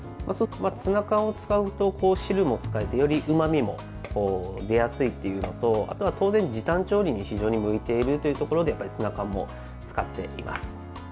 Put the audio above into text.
ツナ缶を使うと汁も使えてよりうまみも出やすいというのとあとは当然、時短調理に非常に向いているというところでツナ缶を使っています。